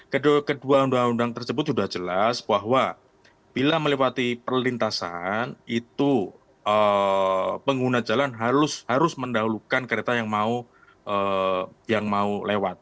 kedua undang undang tersebut sudah jelas bahwa bila melewati perlintasan itu pengguna jalan harus mendahulukan kereta yang mau lewat